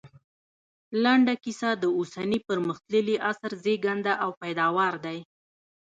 لنډه کيسه د اوسني پرمختللي عصر زېږنده او پيداوار دی